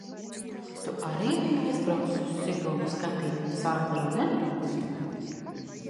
Tu ar? biji aizbraucis uz Siguldu skat?ties zelta rudeni?